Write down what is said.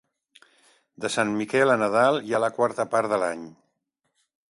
De Sant Miquel a Nadal hi ha la quarta part de l'any.